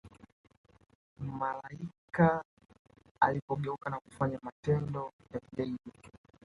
malaika alipogeuka na kufanya matendo ya kigaidi